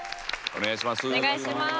お願いします。